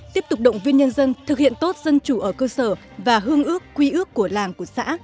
tiếp tục động viên nhân dân thực hiện tốt dân chủ ở cơ sở và hương ước quy ước của làng của xã